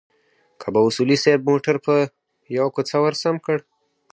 کله به اصولي صیب موټر پر يوه کوڅه ورسم کړ.